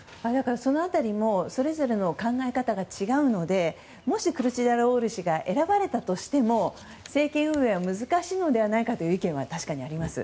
その辺りもそれぞれの考え方が違うのでもしクルチダルオール氏が選ばれたとしても政権運営は難しいのではないかという意見はあります。